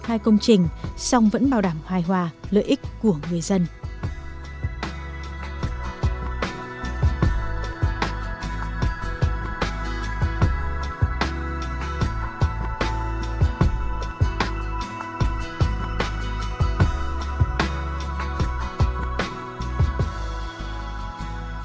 các công trình lưới điện đưa vào vận hành đã nâng cao năng